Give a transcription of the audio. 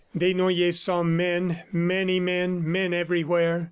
Desnoyers saw men, many men, men everywhere.